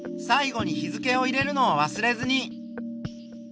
最後に日付を入れるのをわすれずに。